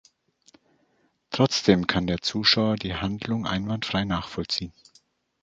Trotzdem kann der Zuschauer die Handlung einwandfrei nachvollziehen.